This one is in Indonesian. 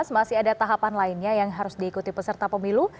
masih ada tahapan lainnya yang harus diikuti peserta pemilu